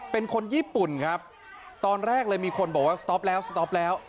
เป็นคนญี่ปุ่นครับตอนแรกเลยมีคนบอกว่าสต๊อปแล้วสต๊อปแล้ว